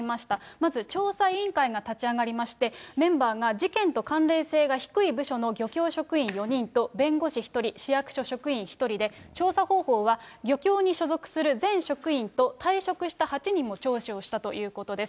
まず調査委員会が立ち上がりまして、メンバーが事件と関連性が低い部署の漁協職員４人と弁護士１人、市役所職員１人で、調査方法は漁協に所属する全職員と退職した８人も聴取をしたということです。